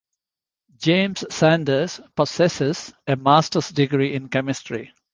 James Sanders possesses a master's degree in chemistry.